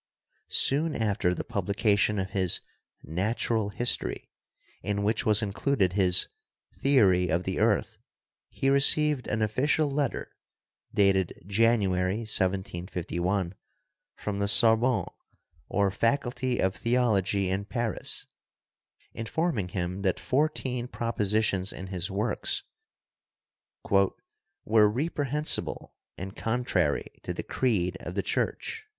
Soon after the publication of his "Natural History," in which was included his "Theory of the Earth," he received an official letter (dated January, 1751) from the Sorbonne, or Faculty of Theology in Paris, informing him that four teen propositions in his works "were reprehensible and contrary to the creed of the Church."